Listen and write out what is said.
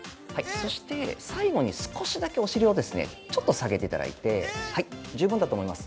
そして、最後に少しだけお尻をちょっと下げていただいて、はい、十分だと思います。